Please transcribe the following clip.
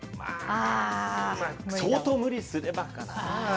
相当無理すれば。